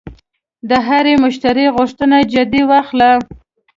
د هر مشتری غوښتنه جدي واخله.